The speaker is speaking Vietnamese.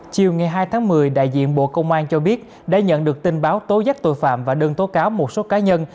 chiều ngày hai tháng một mươi đại diện bộ công an cho biết đã nhận được tin báo tố giác tội phạm và đơn tố cáo một số cá nhân